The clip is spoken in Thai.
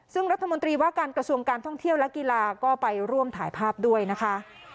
ซึ่งรัฐมนตรีว่าการกระทรวงการท่องเที่ยวและกีฬาก็ไปร่วมถ่ายภาพด้วยนะคะ